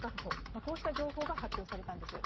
こうした情報が発表されたんです。